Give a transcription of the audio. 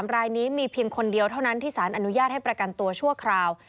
รายนี้มีเพียงคนเดียวเท่านั้นที่สารอนุญาตให้ประกันตัวชั่วคราว